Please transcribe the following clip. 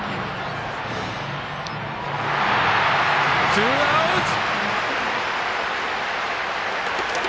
ツーアウト！